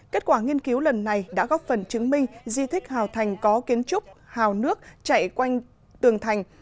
kết quả nghiên cứu lần này đã góp phần chứng minh di tích hào thành có kiến trúc hào nước chạy quanh tường thành